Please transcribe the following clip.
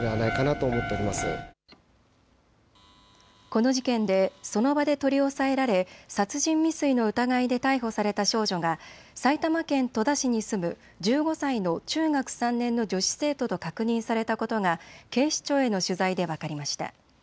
この事件で、その場で取り押さえられ殺人未遂の疑いで逮捕された少女が埼玉県戸田市に住む１５歳の中学３年の女子生徒と確認されたことが警視庁への取材で分かりました。